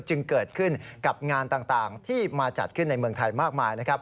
จึงเกิดขึ้นกับงานต่างที่มาจัดขึ้นในเมืองไทยมากมายนะครับ